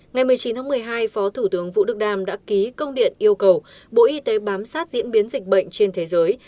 ngày một mươi chín tháng một mươi hai phó thủ tướng vũ đức đam đã ký công điện yêu cầu bộ y tế bám sát diễn biến dịch bệnh trên thế giới